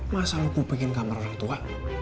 masa luku bikin kamar orang tua